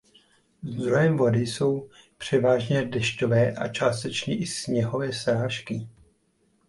Zdrojem vody jsou převážně dešťové a částečně i sněhové srážky.